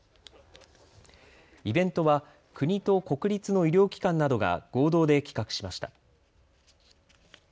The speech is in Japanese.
イベントは国と国立の医療機関などが合同で企画しました。